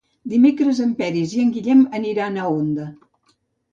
Dimecres en Peris i en Guillem aniran a Onda.